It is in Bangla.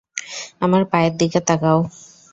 আমার পায়ের দিকে তাকাও।